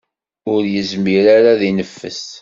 Ur yezmir ara ad ineffes.